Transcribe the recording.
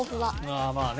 ああまあね。